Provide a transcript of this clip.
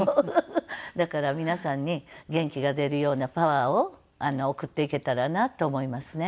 だから皆さんに元気が出るようなパワーを送っていけたらなと思いますね。